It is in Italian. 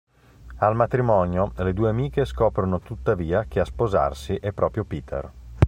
Al matrimonio, le due amiche scoprono tuttavia che a sposarsi è proprio Peter.